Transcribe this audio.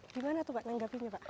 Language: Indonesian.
gimana tuh pak menanggapinya pak